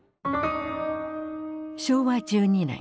昭和１２年。